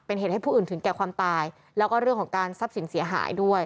เป็นเหตุให้ผู้อื่นถึงแก่ความตายแล้วก็เรื่องของการทรัพย์สินเสียหายด้วย